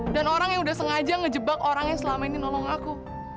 dan orang yang udah sengaja ngejebak orang yang selama ini nolong aku